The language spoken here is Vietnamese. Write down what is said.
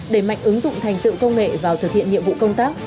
đẩy mạnh ứng dụng thành tựu công nghệ vào thực hiện nhiệm vụ công tác